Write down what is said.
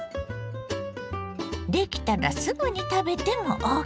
出来たらすぐに食べてもＯＫ！